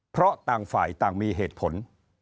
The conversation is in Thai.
เพราะต่างฝ่ายต่างมีเหตุผล